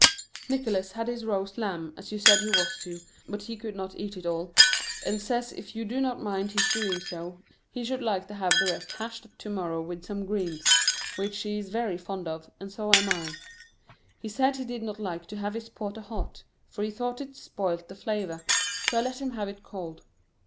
Nicholas had his roast lamb, as you said he was to, but he could not eat it all, and says if you do not mind his doing so he should like to have the rest hashed to morrow with some greens, which he is very fond of, and so am I. He said he did not like to have his porter hot, for he thought it spoilt the flavour, so I let him have it cold.